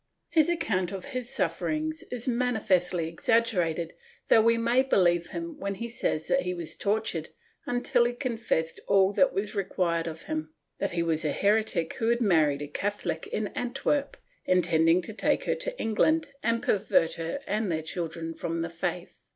His account of his sufferings is manifestly exaggerated though we may believe him when he says that he was tortured until he confessed all that was required of him — that he was a heretic who had married a Catholic in Antwerp, intending to take her to England and pervert her and their children from the faith.